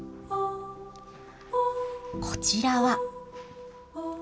こちらは。